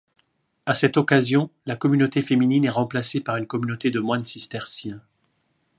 À cette occasion, la communauté féminine est remplacée par une communauté de moines cisterciens.